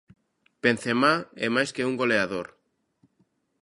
Benzemá é máis que un goleador.